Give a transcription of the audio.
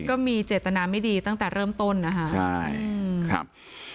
ก็มีเจตนาไม่ดีตั้งแต่เริ่มต้นนะคะใช่ครับ